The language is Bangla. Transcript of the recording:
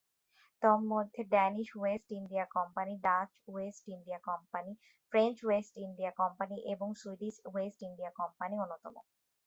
তন্মধ্যে, Danish West India company, Dutch West India company, French West India company এবং সুইডিশ ওয়েস্ট ইন্ডিয়া কোম্পানী অন্যতম।